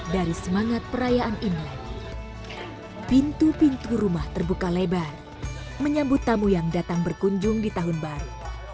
dari semangat perayaan imlek pintu pintu rumah terbuka lebar menyambut tamu yang datang berkunjung di tahun baru